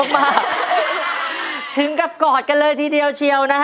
๑มือ